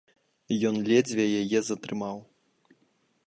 Ён ледзьве яе затрымаў.